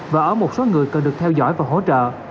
và ở một số người cần được theo dõi và hỗ trợ